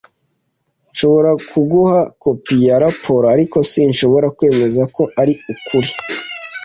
Nshobora kuguha kopi ya raporo, ariko sinshobora kwemeza ko ari ukuri.